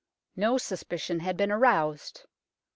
No suspicion had been aroused.